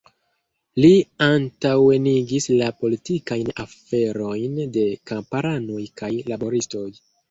Li antaŭenigis la politikajn aferojn de kamparanoj kaj laboristoj.